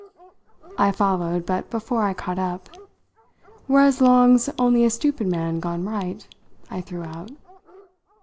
I followed, but before I caught up, "Whereas Long's only a stupid man gone right?" I threw out.